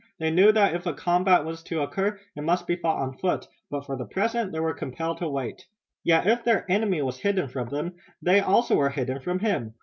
They knew that if a combat was to occur it must be fought on foot, but, for the present, they were compelled to wait. Yet if their enemy was hidden from them they also were hidden from him.